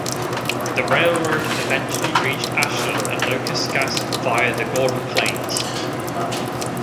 The railroad eventually reached Ashland and Locust Gap via the Gordon Planes.